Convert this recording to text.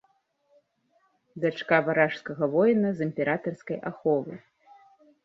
Дачка варажскага воіна з імператарскай аховы.